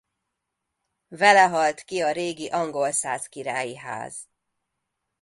Vele halt ki a régi angolszász királyi ház.